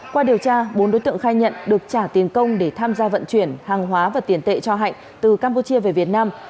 qua điều tra bốn đối tượng khai nhận được trả tiền công để tham gia vận chuyển hàng hóa và tiền tệ cho hạnh từ campuchia về việt nam